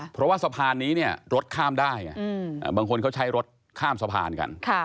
เพราะว่าสะพานนี้เนี่ยรถข้ามได้บางคนเขาใช้รถข้ามสะพานกัน